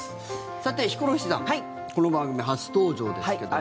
さて、ヒコロヒーさんこの番組、初登場ですけども。